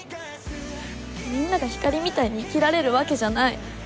みんながひかりみたいに生きられるわけじゃない。